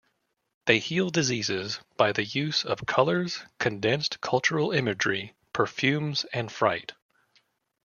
They heal diseases by the use of colors, condensed cultural imagery, perfumes and fright.